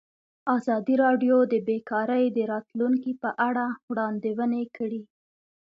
ازادي راډیو د بیکاري د راتلونکې په اړه وړاندوینې کړې.